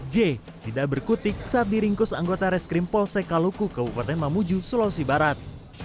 j tidak berkutik saat diringkus anggota reskrim polsekaluku ke bupaten mamuju sulawesi barat